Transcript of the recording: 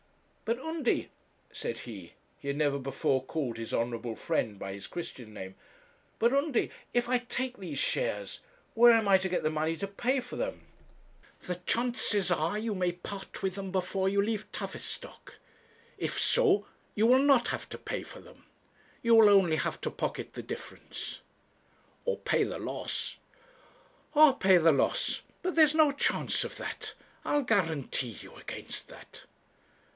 'But, Undy,' said he he had never before called his honourable friend by his Christian name 'but, Undy, if I take these shares, where am I to get the money to pay for them? 'The chances are you may part with them before you leave Tavistock. If so, you will not have to pay for them. You will only have to pocket the difference.' 'Or pay the loss.' 'Or pay the loss. But there's no chance of that. I'll guarantee you against that.'